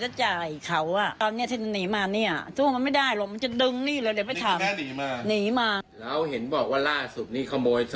อ่าใช่วันนั้นจะไปเบิกบัญชีไปกระอานเนี่ย